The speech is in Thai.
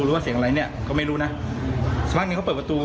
ว่าเสียงอะไรเนี่ยก็ไม่รู้นะสักพักหนึ่งเขาเปิดประตู